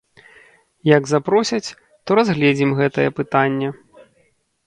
Як запросяць, то разгледзім гэтае пытанне.